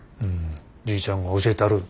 じいちゃんが教えたる。